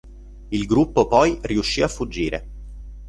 Il gruppo poi riuscì a fuggire.